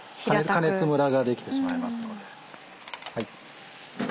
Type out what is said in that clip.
加熱ムラができてしまいますので。